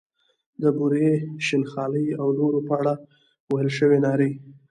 د بورې، شین خالۍ او نورو په اړه ویل شوې نارې.